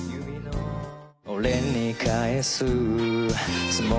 「俺に返すつもりならば」